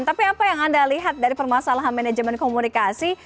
tapi apa yang anda lihat dari permasalahan manajemen komunikasi